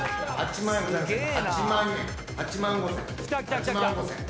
８万５，０００。